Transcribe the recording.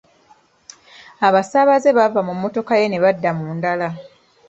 Abasaabaze baava mu mmotoka ye ne badda mu ndala.